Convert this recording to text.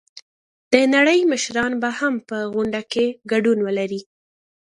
د نړۍ مشران به هم په غونډه کې ګډون ولري.